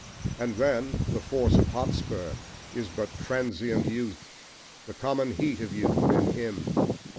And then, the force of Hotspur is but transient youth, the common heat of youth, in him.